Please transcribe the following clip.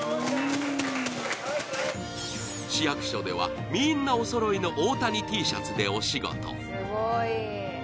市役所では、みんなおそろいの大谷Ｔシャツでお仕事。